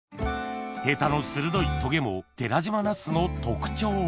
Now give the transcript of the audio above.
ヘタの鋭いトゲも寺島ナスの特徴